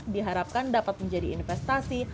diharapkan dapat menjadi investasi